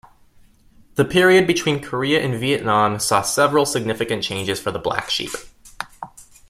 The period between Korea and Vietnam saw several significant changes for the Black Sheep.